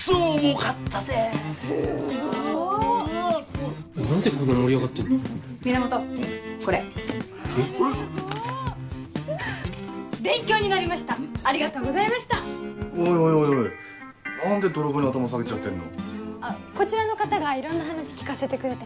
あっこちらの方がいろんな話聞かせてくれて。